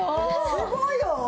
すごいよ！